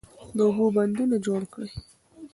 د اوبو بندونه جوړ کړئ.